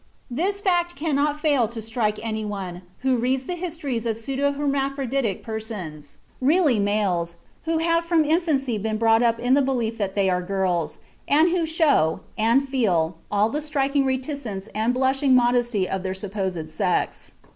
This fact cannot fail to strike any one who reads the histories of pseudo hermaphroditic persons, really males, who have from infancy been brought up in the belief that they are girls, and who show, and feel, all the shrinking reticence and blushing modesty of their supposed sex.